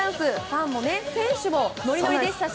ファンも選手もノリノリでした。